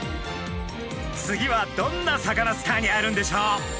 次はどんなサカナスターに会えるんでしょう？